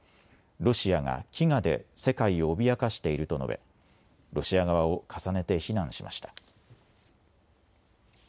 ロシアが飢餓で世界を脅かしていると述べロシア側を重ねて非難しました。